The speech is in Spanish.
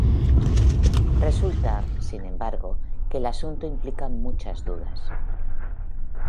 Resulta, sin embargo, que el asunto implica muchas dudas.